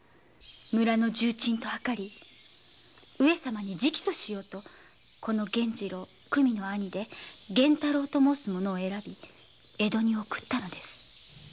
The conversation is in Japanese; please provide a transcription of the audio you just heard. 村の重鎮と謀り上様に直訴しようとこの久美の兄源太郎と申す者を選び江戸に送ったのです。